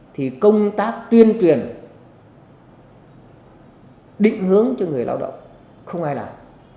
thì công tác tuyên truyền định hướng cho người lao động không ai làm